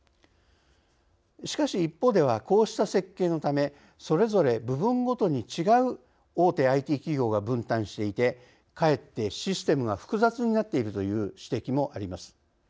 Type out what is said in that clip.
しかし一方ではこうした設計のためそれぞれ部分ごとに違う大手ＩＴ企業が分担していてかえってシステムが複雑になっているという指摘もあります。